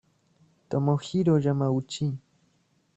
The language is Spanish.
Tomohiro Yamauchi